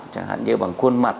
chẳng hạn như bằng khuôn mặt